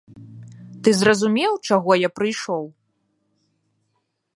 Ты зразумеў, чаго я прыйшоў?